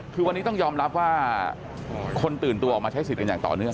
คือวันนี้ต้องยอมรับว่าคนตื่นตัวออกมาใช้สิทธิ์กันอย่างต่อเนื่อง